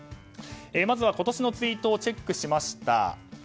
まずは今年のツイートをチェックしました。